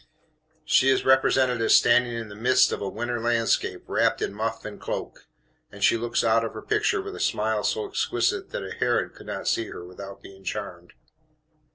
She is represented as standing in the midst of a winter landscape, wrapped in muff and cloak; and she looks out of her picture with a smile so exquisite that a Herod could not see her without being charmed.